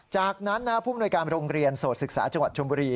จากนั้นผู้มนวยการโรงเรียนโสดศึกษาจังหวัดชมบุรี